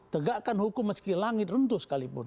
tegakkan hukum meski langit runtuh sekalipun